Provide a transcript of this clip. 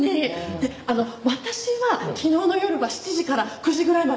であの私は昨日の夜は７時から９時ぐらいまではここにいました。